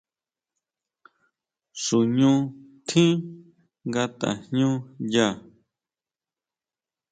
Xuñu tjín nga tajñuña.